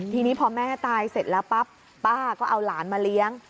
ทีนี้พอแม่ตายเสร็จแล้วปั๊บป้าก็เอาหลานมาเลี้ยง